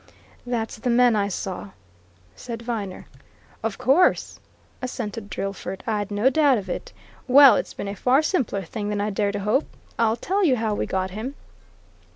"That's the man I saw," said Viner. "Of course!" assented Drillford. "I'd no doubt of it. Well, it's been a far simpler thing than I'd dared to hope. I'll tell you how we got him.